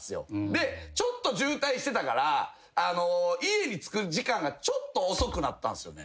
でちょっと渋滞してたから家に着く時間がちょっと遅くなったんすよね。